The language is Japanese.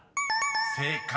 ［正解。